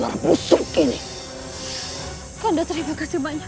langsung sembunyikan setelah itukan mereka